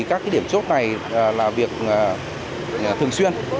các cái điểm chốt này là việc thường xuyên